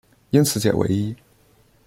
因此解唯一。